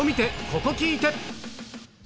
ここ聴いて！